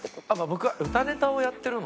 僕は歌ネタをやってるので。